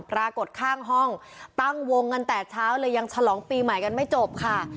ปรากฏข้างห้องตั้งวงกันแต่เช้าเลยยังฉลองปีใหม่กันไม่จบค่ะ